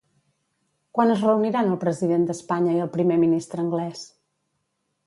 Quan es reuniran el president d'Espanya i el primer ministre anglès?